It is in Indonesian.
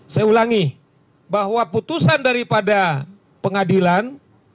saya ulangi bahwa putusan daripada pengadilan